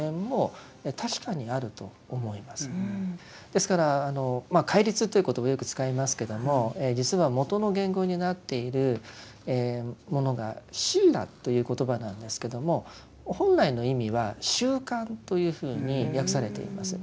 ですから戒律という言葉をよく使いますけども実はもとの言語になっているものが「シーラ」という言葉なんですけどもというふうに訳されています。